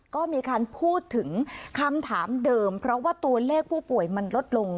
ก็มีการพูดถึงคำถามเดิมเพราะว่าตัวเลขผู้ป่วยมันลดลง